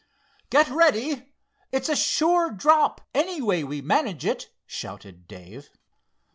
"Get ready. It's a sure drop, any way we manage it," shouted Dave.